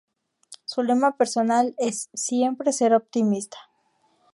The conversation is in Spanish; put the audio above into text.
Su lema personal es "siempre ser optimista".